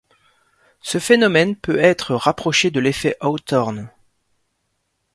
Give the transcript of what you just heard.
Ce phénomène peut être rapproché de l'effet Hawthorne.